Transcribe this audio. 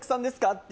って